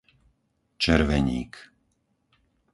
Červeník